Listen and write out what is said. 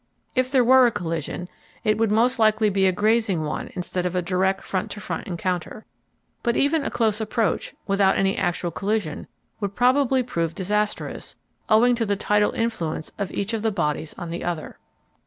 If there were a collision it would most likely be a grazing one instead of a direct front to front encounter. But even a close approach, without any actual collision, would probably prove disastrous, owing to the tidal influence of each of the bodies on the other.